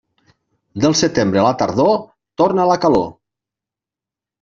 Del setembre a la tardor, torna la calor.